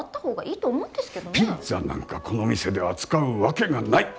ピッツァなんかこの店で扱うわけがない。